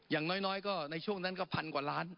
อย่างน้อยก็ในช่วงนั้นก็พันกว่าล้าน